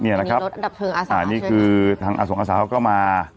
เนี่ยนะครับอันนี้คือทางอสงอาสาเขาก็มา